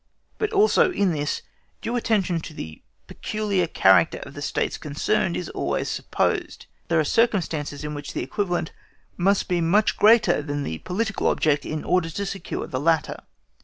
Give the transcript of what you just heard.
But also, in this, due attention to the peculiar character of the States concerned is always supposed. There are circumstances in which the equivalent must be much greater than the political object, in order to secure the latter.